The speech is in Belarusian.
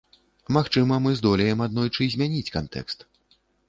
Магчыма, мы здолеем аднойчы змяніць кантэкст.